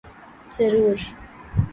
ضرور۔